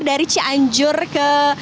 dari cianjur ke